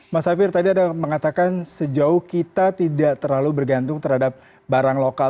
mas hafir tadi ada mengatakan sejauh kita tidak terlalu bergantung terhadap barang lokal